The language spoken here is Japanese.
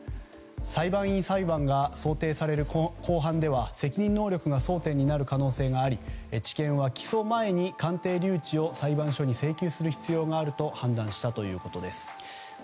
裁判員裁判が想定される公判では責任能力が争点になる可能性があり地検は起訴前に鑑定留置を裁判所に請求する必要があると判断したということです。